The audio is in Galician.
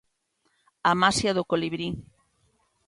A maxia do colibrí.